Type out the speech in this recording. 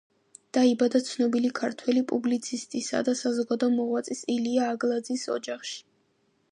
დაიბადა ცნობილი ქართველი პუბლიცისტისა და საზოგადო მოღვაწის ილია აგლაძის ოჯახში.